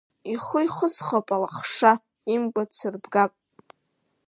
Ихы ихысхып алахша, имгәа ҭсырбгап!